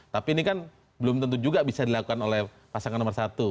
tapi ini kan belum tentu juga bisa dilakukan oleh pasangan nomor satu